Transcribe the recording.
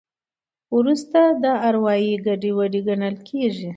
وروسته دا اروایي ګډوډي ګڼل کېږي.